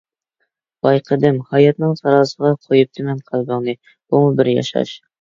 بايقىدىم، ھاياتنىڭ تارازىسىغا قويۇپتىمەن قەلبىڭنى، بۇمۇ بىر ياشاش.